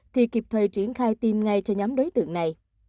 thì kịp thời triển khai tiêm ngay cho nhóm đối tượng này